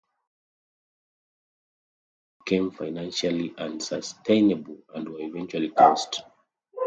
Many of these campuses became financially unsustainable and were eventually closed.